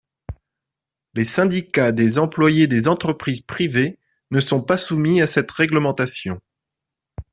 Les syndicats des employés des entreprises privées ne sont pas soumis à cette règlementation.